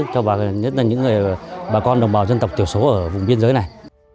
cho bà nhất là những bà con đồng bào dân tộc tiểu số ở vùng biên giới này